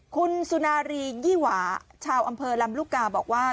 คุณสุนารียี่หวาชาวอำเภอลำลูกกาบอกว่า